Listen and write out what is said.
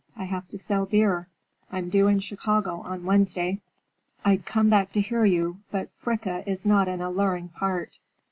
I have to sell beer. I'm due in Chicago on Wednesday. I'd come back to hear you, but Fricka is not an alluring part."